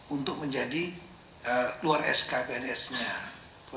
untuk menjadi luar sk pns nya